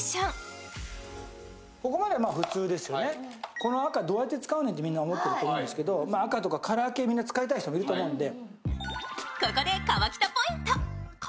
この赤どうやって使うねんってみんな思ってると思うんですけど赤とかカラー系、使いたい人もいると思うので。